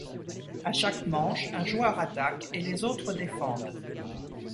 À chaque manche un joueur attaque et les autres défendent.